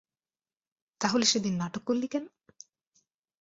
তাহলে সেদিন নাটক করলি কেন?